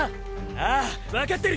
ああわかってる！！